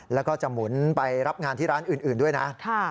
แล้วก็จะหมุนไปรับงานที่ร้านอื่นด้วยนะ